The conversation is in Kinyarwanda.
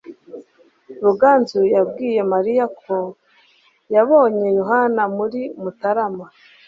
Ruganzu yabwiye Mariya ko yabonye Yohana muri Mutarama.